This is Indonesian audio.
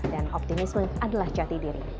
dan optimisme adalah jati diri